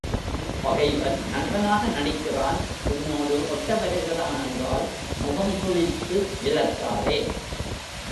பகைவன் நண்பனாக நடிக்கிறான் உன்னோடு ஒட்ட வருகிறான் என்றால் முகம் சுளித்து விலக்காதே.